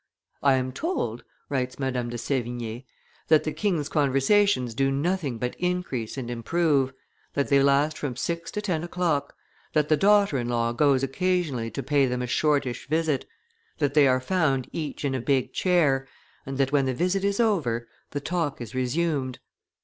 "I am told," writes Madame de Sevigne, "that the king's conversations do nothing but increase and improve, that they last from six to ten o'clock, that the daughter in law goes occasionally to pay them a shortish visit, that they are found each in a big chair, and that, when the visit is over, the talk is resumed.